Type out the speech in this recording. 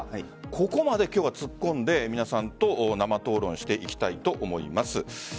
ここまで今日は突っ込んで皆さんと生討論していきたいと思います。